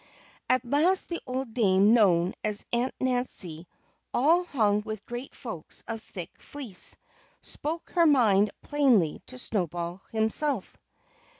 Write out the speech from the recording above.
At last the old dame known as "Aunt Nancy," all hung with great folds of thick fleece, spoke her mind plainly to Snowball himself.